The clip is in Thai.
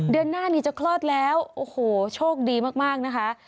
เดือนหน้านี้จะคลอดแล้วโอ้โหโชคดีมากนะคะ